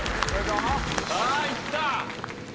さあいった！